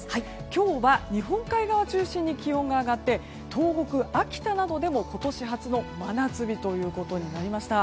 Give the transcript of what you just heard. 今日は日本海側中心に気温が上がって東北、秋田などでも今年初の真夏日ということになりました。